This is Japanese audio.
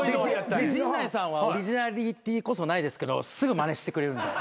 陣内さんはオリジナリティーこそないですけどすぐまねしてくれるんで。